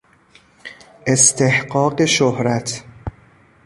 استحقاق شهرت